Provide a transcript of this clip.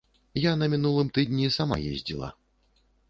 Я на мінулым тыдні сама ездзіла.